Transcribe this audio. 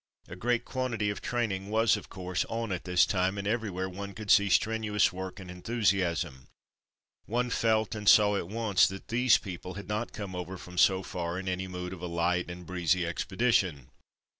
A great quantity of train ing was, of course, on at this time, and every where one could see strenuous work and enthusiasm. One felt and saw at once that these people had not come over from so far in any mood of a light and breezy expedition.